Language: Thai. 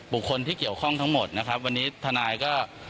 บุคคลที่เกี่ยวข้องทั้งหมดนะครับวันนี้ทนายก็